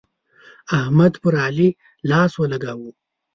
احمد پر علي لاس ولګاوو.